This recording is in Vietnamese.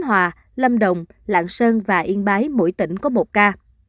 hòa lâm đồng lạng sơn và yên bái mỗi tỉnh có một ca